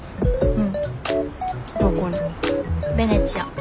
うん。